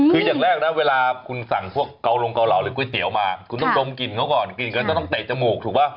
คืออย่างแรกนะเวลาคุณสั่งพวกเกาลงเกาเหลาหรือก๋วยเตี๋ยวมาคุณต้องดมกลิ่นเขาก่อนกินกันต้องเตะจมูกถูกป่ะ